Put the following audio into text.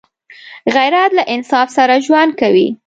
غیرت له انصاف سره ژوند کوي